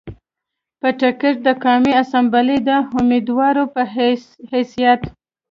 پۀ ټکټ د قامي اسمبلۍ د اميدوار پۀ حېثيت